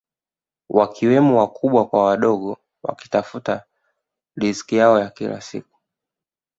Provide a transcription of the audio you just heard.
Wakiwemo wakubwa kwa wadogo wakitafuta riziki yao ya kila siku